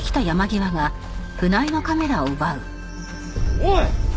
おい！